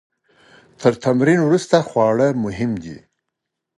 تر تمرین وروسته خواړه مهم دي.